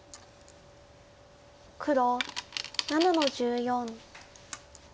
黒７の十四。